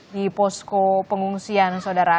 di posko pengungsian saudara